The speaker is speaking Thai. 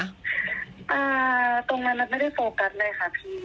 ตรงนั้นนัทไม่ได้โฟกัสเลยค่ะพี่